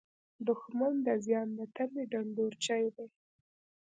دښمن د زیان د تمې ډنډورچی دی